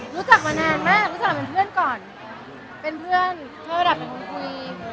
อยู่บนรอบสุภาพไฟ